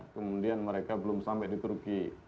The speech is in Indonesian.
kemudian mereka belum sampai di turki